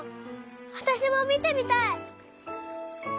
わたしもみてみたい！